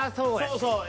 そうそう。